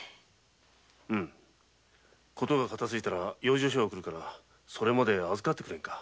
事が片づいたら養生所に送るからそれまで預かってくれんか。